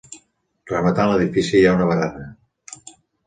Rematant l'edifici hi ha una barana.